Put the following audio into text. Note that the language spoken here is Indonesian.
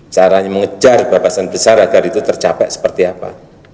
caranya mengejar batasan besar agar itu tercapai seperti apa